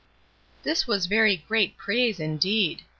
This was very great praise, indeed.